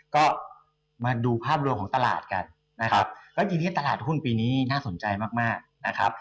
ก็มาดูภาพรวมของตลาดกันและจริงตลาดหุ้นปีนี้น่าสนใจมากนะครับ